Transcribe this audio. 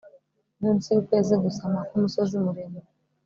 munsi yukwezi gusama, kumusozi muremure